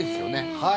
はい。